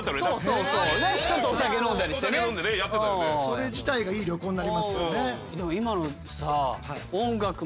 それ自体がいい旅行になりますよね。